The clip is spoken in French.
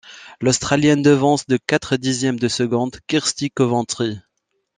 L’Australienne devance de quatre dixièmes de seconde Kirsty Coventry.